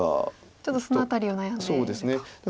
ちょっとその辺りを悩んでいると。